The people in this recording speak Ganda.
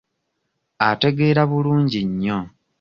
Ategeera bulungi nnyo.